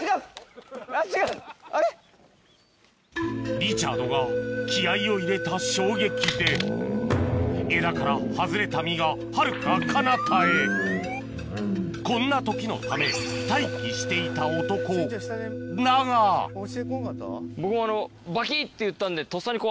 リチャードが気合を入れた衝撃で枝から外れた実がはるかかなたへこんな時のため待機していた男だが頭隠したの？